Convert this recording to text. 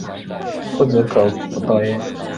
覆辙可复蹈耶？